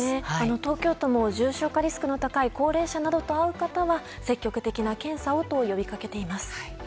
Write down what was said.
東京都も重症化リスクの高い高齢者などと会う方は積極的な検査をと呼びかけています。